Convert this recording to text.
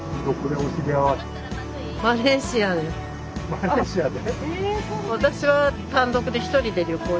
マレーシアで？